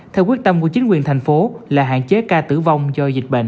theo quyết tâm của chính quyền thành phố là hạn chế ca tử vong do dịch bệnh